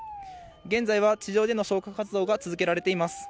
現在は地上での消火活動が続けられています。